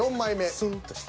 スンとして。